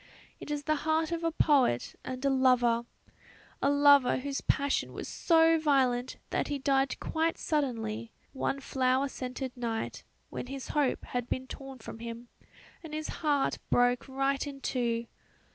It is the heart of a poet and a lover; a lover whose passion was so violent that he died quite suddenly, one flower scented night, when his hope had been torn from him, and his heart broke right in two.